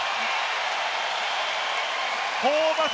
ホーバス